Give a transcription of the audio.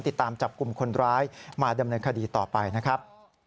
ติดตามจับกลุ่มคนร้ายมาดำเนินคดีต่อไปนะครับ